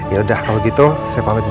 ya udah kalo gitu saya pamit ya